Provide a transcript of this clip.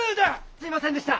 すいませんでした！